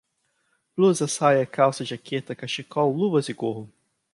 Blusa, saia, calça, jaqueta, cachecol, luvas e gorro